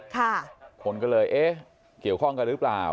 คนก็เลยเอ๊ะเกี่ยวข้องกันหรือเปล่า